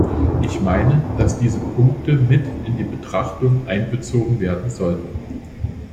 Ich meine, dass diese Punkte mit in die Betrachtung einbezogen werden sollten.